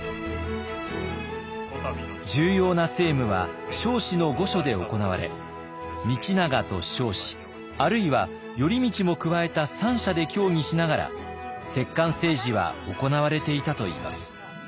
重要な政務は彰子の御所で行われ道長と彰子あるいは頼通も加えた三者で協議しながら摂関政治は行われていたといいます。